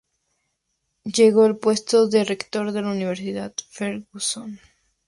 Llegó al puesto de rector de la universidad Fergusson.